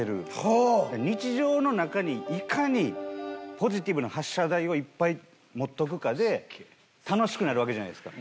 ポジティブな発射台をいっぱい持っとくかで楽しくなるわけじゃないですか。